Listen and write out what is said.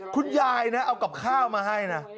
คุณยายนะเอากับข้าวมาให้นะ